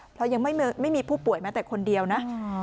เพราะยังไม่มีผู้ป่วยแม้แต่คนเดียวนะ